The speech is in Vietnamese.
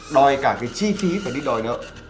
đòi cả cái chi phí phải đi đòi nợ